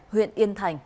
huyện yên thành